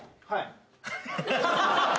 はい。